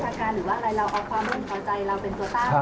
เราเอาความร่วมของใจเราเป็นตัวตาม